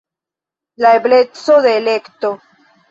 La ebleco de elekto.